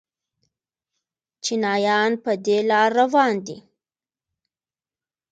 چینایان په دې لار روان دي.